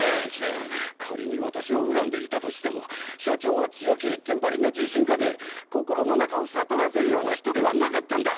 仮に私を恨んでいたとしても社長は強気一点張りの自信家で心の中をさとらせるような人ではなかったんだ！